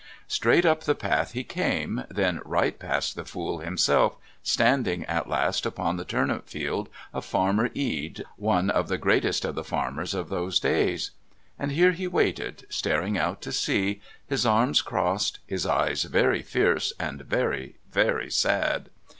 Straight up the path he came, then right past the fool himself, standing at last upon the turnip field of Farmer Ede, one of the greatest of the farmers of those parts. And here he waited, staring out to sea, his arms crossed, his eyes very fierce and very, very sad.